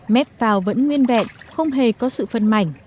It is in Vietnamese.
mép phao vẫn nguyên vẹn